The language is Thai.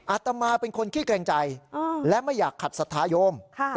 อาตมาเป็นคนขี้แกร่งใจอืมและไม่อยากขัดสัทธาโยมค่ะ